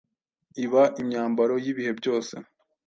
iba imyambaro yibihe byose